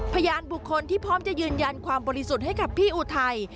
พยานบุคคลที่พร้อมจะยืนยันความบริสุทธิ์ให้กับพี่อุทัย